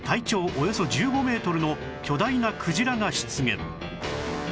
およそ１５メートルの巨大なクジラが出現